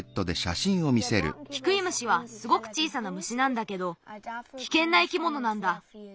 キクイムシはすごく小さな虫なんだけどきけんないきものなんだ。